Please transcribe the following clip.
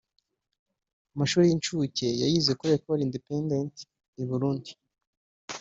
Amashuri y’incuke yayize kuri Ecole Independante i Burundi